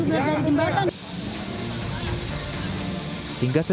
hingga setelah menangkap korban